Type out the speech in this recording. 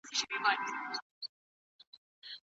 رسول الله وفرمایل چي په مال کي نور حقوق هم سته.